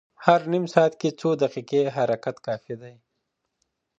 هر نیم ساعت کې څو دقیقې حرکت کافي دی.